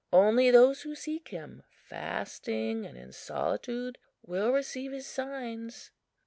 Only those who seek him fasting and in solitude will receive his signs."